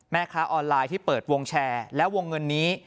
แม่ค้าออนไลน์ที่เปิดวงแชร์และวงเงินนี้